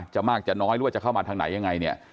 มากจะน้อยหรือว่าจะเข้ามาทางไหนยังไงเนี่ย